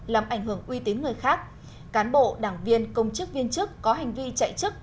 làm ảnh hưởng uy tín người khác cán bộ đảng viên công chức viên chức có hành vi chạy chức